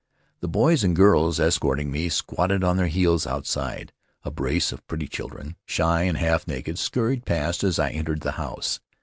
The boys and girls escorting me squatted on their heels outside; a brace of pretty children, shy and half naked, scurried past as I entered the house.